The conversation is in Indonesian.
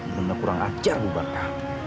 bener kurang ajar bu barka